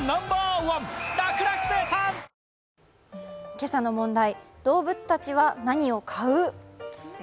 今朝の問題、動物たちは何を買う？です。